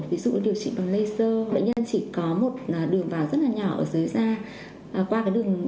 ví dụ điều trị bằng laser bệnh nhân chỉ có một đường vào rất nhỏ ở dưới da